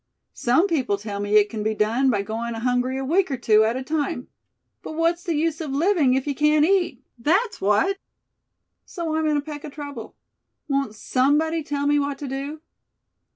Some people tell me it c'n be done by going hungry a week or two at a time; but what's the use of living if you can't eat, that's what? So I'm in a peck of trouble. Won't somebody tell me what to do?"